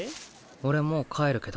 俺もう帰るけど。